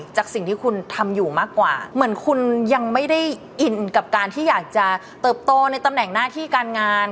จากสิ่งที่คุณทำอยู่มากกว่าเหมือนคุณยังไม่ได้อินกับการที่อยากจะเติบโตในตำแหน่งหน้าที่การงาน